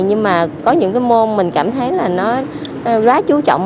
nhưng mà có những cái môn mình cảm thấy là nó quá chú trọng